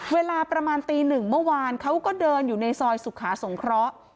เวลาประมาณตีหนึ่งเมื่อวานเขาก็เดินอยู่ในซอยสุขาสงเคราะห์